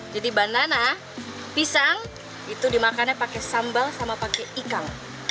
jadi banana pisang itu dimakannya pakai sambal sama pakai ikan